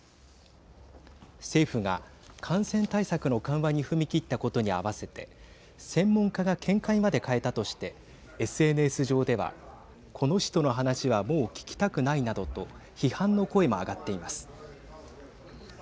政府が感染対策の緩和に踏み切ったことにあわせて専門家が見解まで変えたとしてＳＮＳ上ではこの人の話はもう聞きたくないなどと批判の声も上がっています。